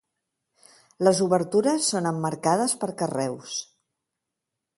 Les obertures són emmarcades per carreus.